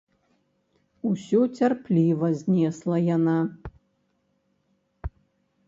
Усё цярпліва знесла яна.